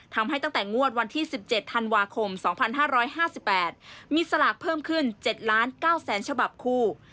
ตั้งแต่งวดวันที่๑๗ธันวาคม๒๕๕๘มีสลากเพิ่มขึ้น๗๙๐๐ฉบับคู่